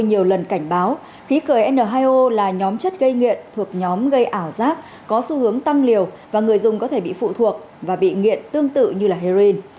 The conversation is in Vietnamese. nhiều lần cảnh báo khí cười n hai o là nhóm chất gây nghiện thuộc nhóm gây ảo giác có xu hướng tăng liều và người dùng có thể bị phụ thuộc và bị nghiện tương tự như heroin